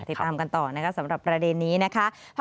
ติดตามกันต่อนะคะสำหรับประเด็นนี้นะคะ